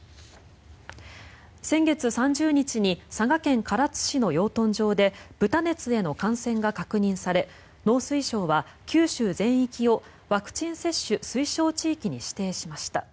先月３０日に佐賀県唐津市の養豚場で豚熱への感染が確認され農水省は九州全域をワクチン接種推奨地域に指定しました。